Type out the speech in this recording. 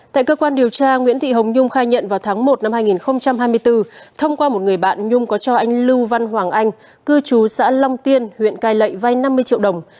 tại cơ quan điều tra nguyễn thị hồng nhung khai nhận vào tháng một năm hai nghìn hai mươi bốn thông qua một người bạn nhung có cho anh lưu văn hoàng anh cư trú xã long tiên huyện cai lệ vai năm mươi triệu đồng